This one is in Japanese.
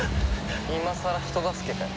今さら人助けかよ。